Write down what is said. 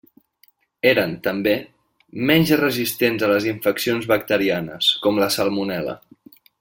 Eren, també, menys resistents a les infeccions bacterianes, com la Salmonel·la.